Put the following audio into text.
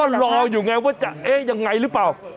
ก็รออยู่ไงว่าจะเอ๊ะยังไงหรือเปล่า